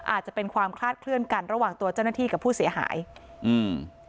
อาจจะเป็นความคลาดเคลื่อนกันระหว่างตัวเจ้าหน้าที่กับผู้เสียหายอืม